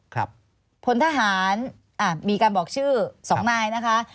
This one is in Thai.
ครับพลทหารมีการบอกชื่อสองนายนะคะ